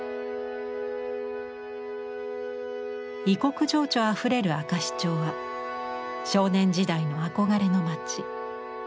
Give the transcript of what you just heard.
異国情緒あふれる明石町は少年時代の憧れの町。